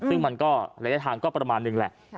ซึ่งมันก็ระยะทางก็ประมาณนึงแหละ